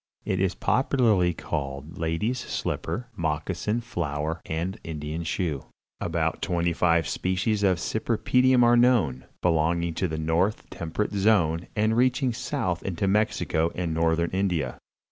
It is popularly called "Lady's Slipper," "Moccasin Flower" and "Indian Shoe." About twenty five species of cypripedium are known, belonging to the north temperate zone and reaching south into Mexico and northern India.